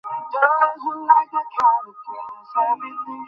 কেন যে এমনটি হয়, এ যে কী তা আমি জানি না।